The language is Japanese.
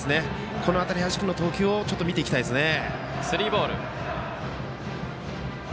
この辺り、林君の投球を見ていきたいですね。